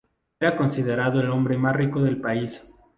Era considerado el hombre más rico del país.